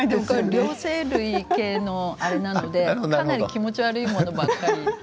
両生類系のものなのでかなり気持ち悪いものばかり。